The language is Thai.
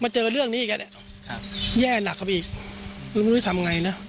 มาเจอเรื่องนี้อีกแย่หนักครับอีกไม่รู้ว่าจะทำยังไงนะ